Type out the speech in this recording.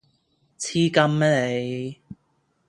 黐筋咩你